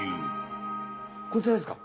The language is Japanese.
こちらですか？